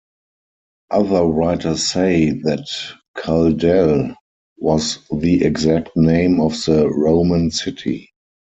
Other writers say that Caldele was the exact name of the Roman city.